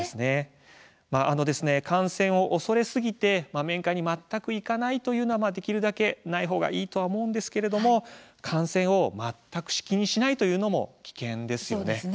感染を恐れすぎて面会に全く行かないというのはできるだけしない方がいいと思うんですが感染を全く気にしないというのも危険ですよね。